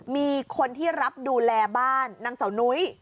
มีคนที่รับดูแลบ้านนางเสานุ้ย